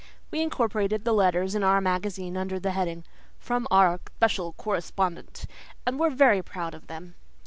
We incorporated the letters in Our Magazine under the heading "From Our Special Correspondent" and were very proud of them.